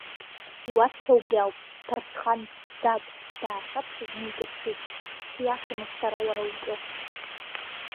Иуасҳәо убри ауп, Ҭарсхан, дад, даахьаԥшны днаиҿаԥшит, сиашамызт сара уара уҿы.